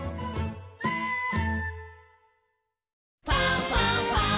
「ファンファンファン」